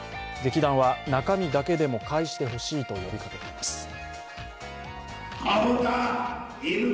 劇団は、中身だけでも返してほしいと呼びかけています。